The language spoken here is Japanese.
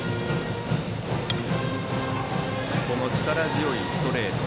力強いストレート